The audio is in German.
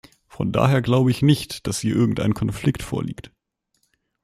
Von daher glaube ich nicht, dass hier irgendein Konflikt vorliegt.